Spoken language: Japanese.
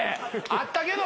あったけど。